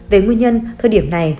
về nguyên nhân thời điểm này